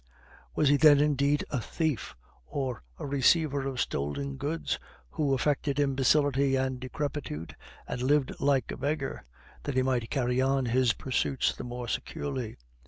"Was he then, indeed, a thief, or a receiver of stolen goods, who affected imbecility and decrepitude, and lived like a beggar that he might carry on his pursuits the more securely?"